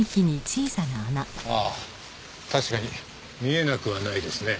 ああ確かに見えなくはないですね。